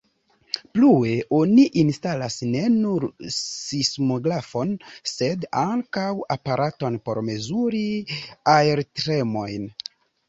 Plue oni instalas ne nur sismografon sed ankaŭ aparaton por mezuri aertremojn.